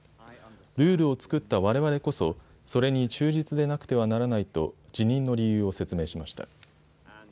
ルールを作ったわれわれこそそれに忠実でなくてはならないと辞任の理由を説明しました。